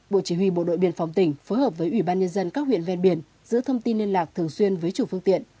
bộ chỉ huy bộ đội biên phòng tỉnh phối hợp với ủy ban nhân dân các huyện ven biển giữ thông tin liên lạc thường xuyên với chủ phương tiện